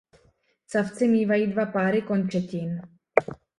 Savci mívají dva páry končetin.